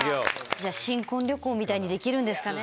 新婚旅行みたいにできるんですかね。